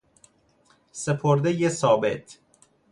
سپردهی ثابت